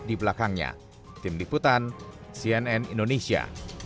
di belakangnya tim liputan cnn indonesia